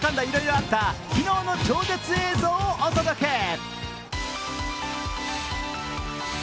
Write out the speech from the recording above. いろいろあった昨日の超絶映像をお届け。